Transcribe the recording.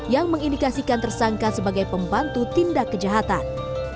yang mengindikasikan tersangka sebagai pembantu tindak kejahatan